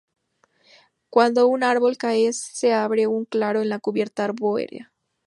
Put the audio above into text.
Cuando un árbol cae, se abre un claro en la cubierta arbórea.